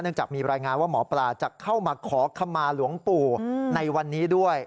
จากมีรายงานว่าหมอปลาจะเข้ามาขอขมาหลวงปู่ในวันนี้ด้วย